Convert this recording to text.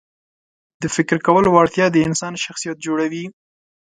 د فکر کولو وړتیا د انسان شخصیت جوړوي.